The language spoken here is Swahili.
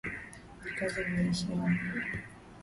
Jikaze maisha ni magumu